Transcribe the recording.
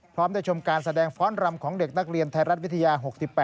พร้อมได้ชมการแสดงฟ้อนรำของเด็กนักเรียนไทยรัฐวิทยา๖๘